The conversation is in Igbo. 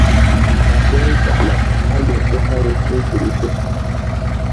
ma kwe nkwà na a ga-ekesa ya etu o siri kwesi